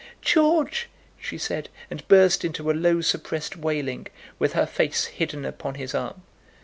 "George!" she said, and burst into a low suppressed wailing, with her face hidden upon his arm.